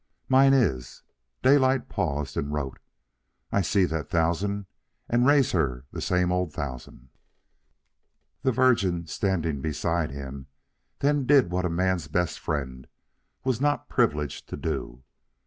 "Mine is," Daylight paused and wrote. "I see that thousand and raise her the same old thousand." The Virgin, standing behind him, then did what a man's best friend was not privileged to do.